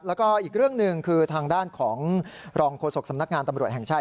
แล้วก็อีกเรื่องหนึ่งคือทางด้านของรองโฆษกสำนักงานตำรวจแห่งชาติ